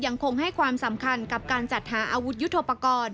ยังคงให้ความสำคัญกับการจัดหาอาวุธยุทธโปรกรณ์